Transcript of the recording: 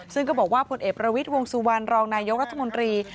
ซึ่งก็บอกว่าผลเอกประวิทย์วงสุวรรณรองนายกรัฐมนตรี